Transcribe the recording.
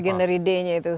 bagi neridenya itu